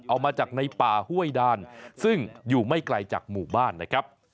เอามาจากในป่าห้วยดานซึ่งอยู่ไม่ไกลจากหมู่บ้านนะครับ